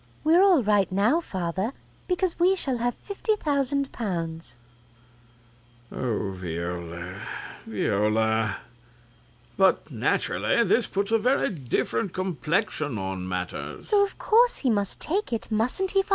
VIOLA. We're all right now, father, because we shall have fifty thousand pounds. RICHARD (sadly). Oh, Viola, Viola! CRAWSHAW. But naturally this puts a very different complexion on matters. VIOLA. So of course he must take it, mustn't he, father?